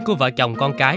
của vợ chồng con cái